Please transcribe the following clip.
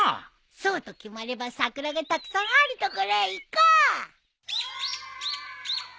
そうと決まれば桜がたくさんある所へ行こう！